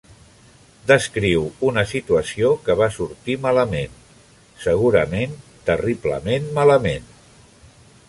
Descriu una situació que va sortir malament, segurament terriblement malament.